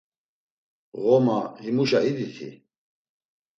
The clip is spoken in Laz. “Ğoma, himuşa iditi?”